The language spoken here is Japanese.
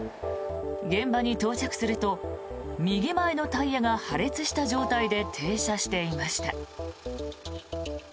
現場に到着すると右前のタイヤが破裂した状態で停車していました。